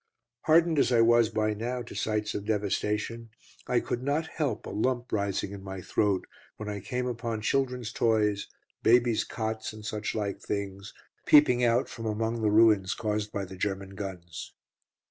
Hardened as I was by now to sights of devastation, I could not help a lump rising in my throat when I came upon children's toys, babies' cots, and suchlike things, peeping out from among the ruins caused by the German guns.